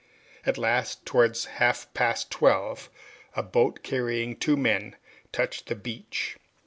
At last, towards half past twelve, a boat, carrying two men, touched the beach.